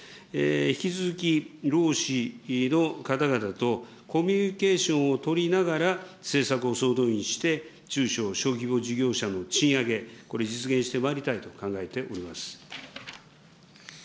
引き続き、労使の方々とコミュニケーションを取りながら、政策を総動員して、中小・小規模事業者の賃上げ、これを実現してまいりたいと考えております。